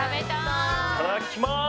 いただきます！